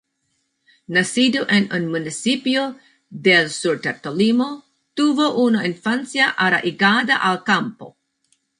Nacido en un municipio del sur del Tolima, tuvo una infancia arraigada al campo.